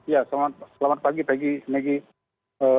ya selamat pagi peggy maggie